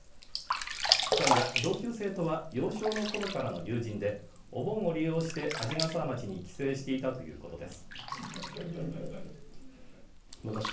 ２人は同級生とは幼少のころからの友人でお盆を利用して鰺ヶ沢町に帰省していたということです。